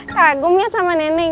kagumnya sama nenek